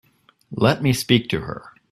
Let me speak to her.